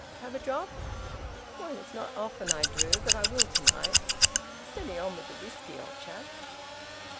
"Have a drop?" "Well, it's not often I do, but I will to night. Steady on with the whisky, old chap."